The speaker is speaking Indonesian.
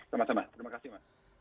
sama sama terima kasih mas